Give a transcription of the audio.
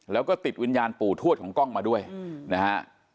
แล้วก็ติดวิญญาณปู่ถูกมาด้วยนะฮะ